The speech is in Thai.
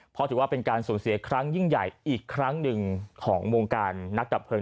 เพราะถือว่าเป็นการสูญเสียครั้งยิ่งใหญ่อีกครั้งหนึ่งของวงการนักดับเพลิง